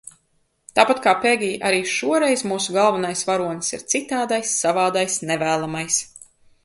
Tāpat kā Pegija arī šoreiz mūsu galvenais varonis ir citādais, savādais, nevēlamais.